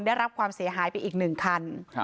ได้รับความเสียหายไปอีก๑คัน